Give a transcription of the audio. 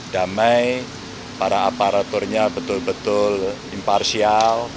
damai para aparaturnya betul betul imparsial